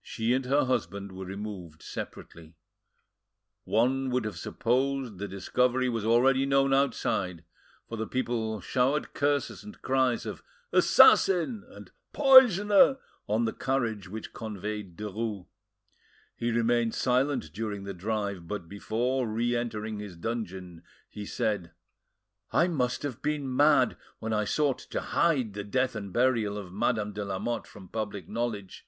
She and her husband were removed separately. One would have supposed the discovery was already known outside, for the people showered curses and cries of "Assassin!" and "Poisoner!" on the carriage which conveyed Derues. He remained silent during the drive, but before re entering his dungeon, he said— "I must have been mad when I sought to hide the death and burial of Madame de Lamotte from public knowledge.